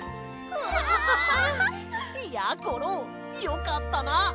わあ！やころよかったな！